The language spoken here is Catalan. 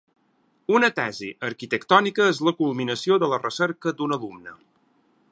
Una tesi arquitectònica és la culminació de la recerca d'un alumne.